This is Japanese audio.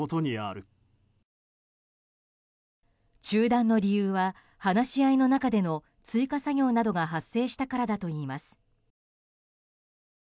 中断の理由は話し合いの中での追加作業などが発生したからだといいます。